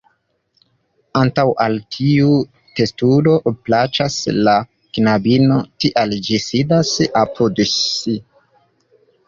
Ankaŭ al tiu testudo plaĉas la knabino, tial ĝi sidas apud ŝi.